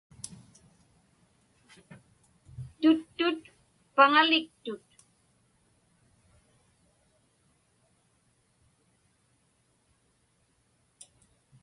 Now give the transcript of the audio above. Tuttu paŋaliktut.